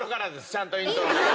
ちゃんとイントロから。